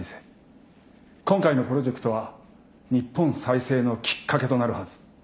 今回のプロジェクトは日本再生のきっかけとなるはず。